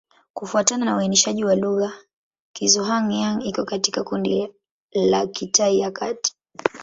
Kufuatana na uainishaji wa lugha, Kizhuang-Yang iko katika kundi la Kitai ya Kati.